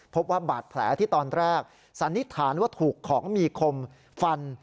พบว่าบาดแผลที่ตอนแรกสันนิษฐานว่าถูกของมีคมฟัน